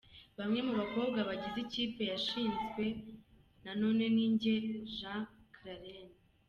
Bamwe mu bakobwa bagize ikipe yashinzwe na Noneninjye Jean Crallene.